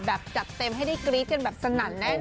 แบบจัดเต็มให้ได้กรี๊ดกันแบบสนั่นแน่นอ